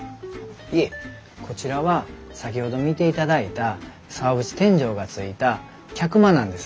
いえこちらは先ほど見ていただいた竿縁天井がついた客間なんです。